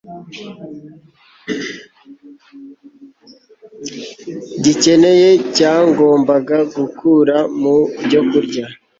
gikeneye cyagombaga gukura mu byokurya